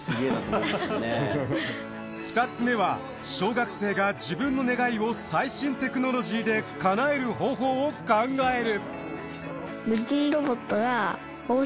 ２つ目は小学生が自分の願いを最新テクノロジーでかなえる方法を考える。